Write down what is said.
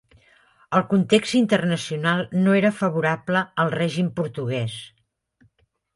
El context internacional no era favorable al règim portuguès.